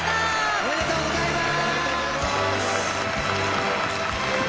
おめでとうございます。